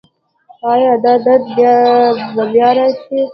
ایا دا درد به بیا راشي؟